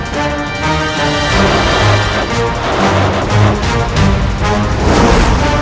dur diri seperti orang lain